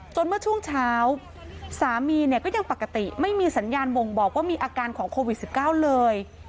เมื่อช่วงเช้าสามีเนี่ยก็ยังปกติไม่มีสัญญาณบ่งบอกว่ามีอาการของโควิด๑๙เลย